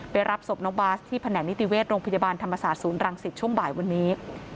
รับศพน้องบาสที่แผนกนิติเวชโรงพยาบาลธรรมศาสตร์ศูนย์รังสิตช่วงบ่ายวันนี้